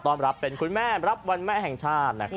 ต้อนรับเป็นคุณแม่รับวันแม่แห่งชาตินะครับ